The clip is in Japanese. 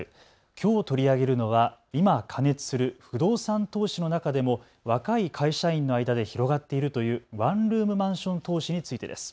きょう取り上げるのは今過熱する不動産投資の中でも若い会社員の間で広がっているというワンルームマンション投資についてです。